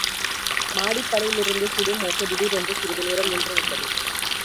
மாடிப்படியிலிருந்து சுடும் ஒசை திடீரென்று சிறிது நேரம் நின்றுவிட்டது.